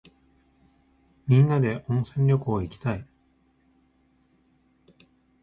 みんなで温泉旅行いきたい。